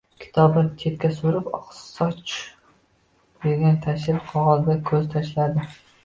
Kitobni bir chetga surib, oqsoch bergan tashrif qog`oziga ko`z tashladi